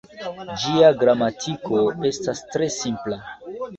Ĝia gramatiko estas tre simpla.